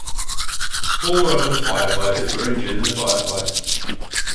Four other firefighters were injured in the firefight.